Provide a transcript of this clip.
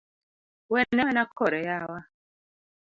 Wene awena kore yawa